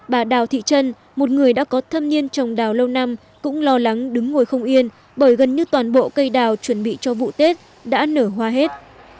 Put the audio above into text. bà đào thị trân một người đã có thâm niên trồng đào lâu năm cũng lo lắng đứng ngồi không yên bởi gần như toàn bộ cây đào chuẩn bị cho vụ tết đã nở hoa hết